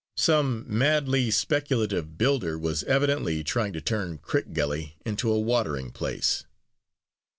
Some madly speculative builder was evidently trying to turn Crickgelly into a watering place.